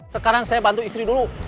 sekarang saya bantu istri dulu